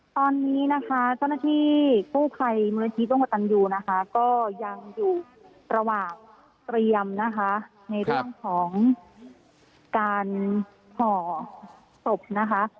ตอนนี้นะคะเจ้าหน้าที่กู้ภัยมูลนิธิร่วมกับตันยูนะคะก็ยังอยู่ระหว่างเตรียมนะคะในเรื่องของการห่อศพนะคะ